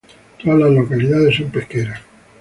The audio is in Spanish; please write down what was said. Todas las localidades son pesqueras.